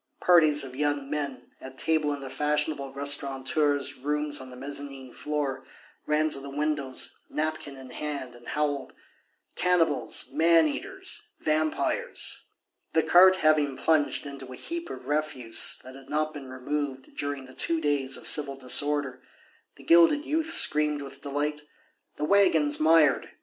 Parties of young men, at table in the fashionable restaurateurs' rooms on the mezzanine floor, ran to the windows, napkin in hand, and howled: "Cannibals, man eaters, vampires!" The cart having plunged into a heap of refuse that had not been removed during the two days of civil disorder, the gilded youth screamed with delight: "The waggon's mired....